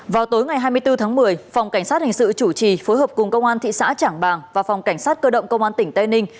vào tối ngày hai mươi bốn tháng một mươi phòng cảnh sát hình sự chủ trì phối hợp cùng công an thị xã trảng bàng và phòng cảnh sát cơ động công an tỉnh tây ninh